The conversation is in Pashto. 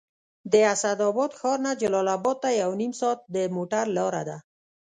د اسداباد ښار نه جلال اباد ته یو نیم ساعت د موټر لاره ده